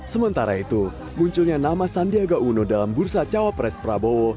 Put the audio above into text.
sementara itu munculnya nama sandiaga uno dalam bursa cawapres prabowo